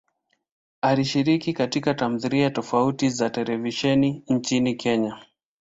Alishiriki katika tamthilia tofauti za televisheni nchini Kenya.